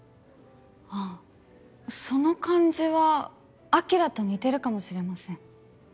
ああその感じは晶と似てるかもしれません。